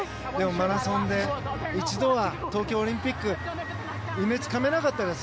マラソンで一度は東京オリンピック夢つかめなかったです。